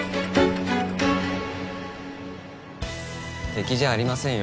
敵じゃありませんよ。